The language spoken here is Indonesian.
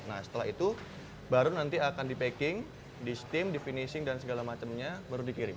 nah setelah itu baru nanti akan di packing di steam di finishing dan segala macamnya baru dikirim